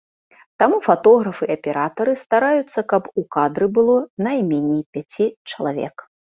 Таму фатографы і аператары стараюцца, каб у кадры было найменей пяць чалавек.